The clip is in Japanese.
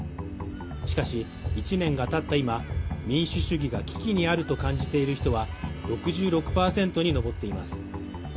しかし１年がたった今、民主主義が危機にあると感じている人は６６％に上っています。